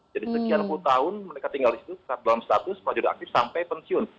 jadi sekian puluh tahun mereka tinggal di sana dalam status prajurit aktif sampai pensiun